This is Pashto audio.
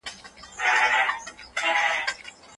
هغه اسناد چې ما لیږلي و، تاته ورسېدل؟